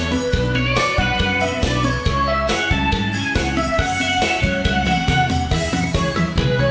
รู้ว่าเหนื่อยแค่ไหนว่านักแค่ไหนบ่นหมดทางสู้